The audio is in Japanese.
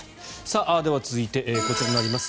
では、続いてこちらになります。